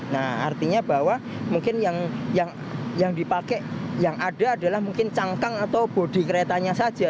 nah artinya bahwa mungkin yang dipakai yang ada adalah mungkin cangkang atau bodi keretanya saja